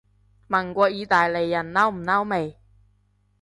問過意大利人嬲唔嬲未